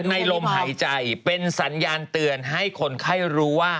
ในลมหายใจเป็นสัญญาณเตือนให้คนไข้รู้ว่า